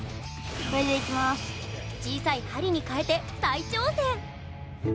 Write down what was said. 小さい針にかえて、再挑戦！